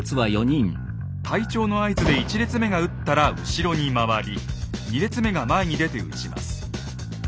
隊長の合図で１列目が撃ったら後ろに回り２列目が前に出て撃ちます。